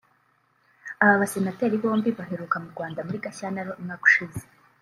Aba basenateri bombi baheruka mu Rwanda muri Gashyantare umwaka ushize